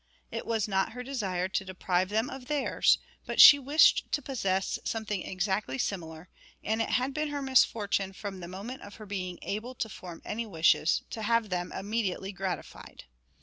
It was not her desire to deprive them of theirs, but she wished to possess something exactly similar, and it had been her misfortune from the moment of her being able to form any wishes to have them immediately gratified.